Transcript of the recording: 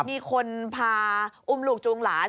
มีคนพาอุ้มลูกจูงหลาน